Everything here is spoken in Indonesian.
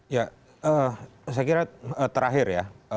ya saya kira terakhir ya